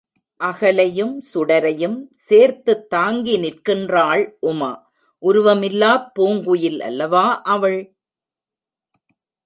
அகலையும் சுடரையும் சேர்த்துத் தாங்கி நிற்கின்றாள் உமா உருவமில்லாப் பூங்குயில் அல்லவா அவள்...?